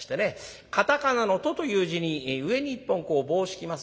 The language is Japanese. カタカナのトという字に上に１本棒を引きます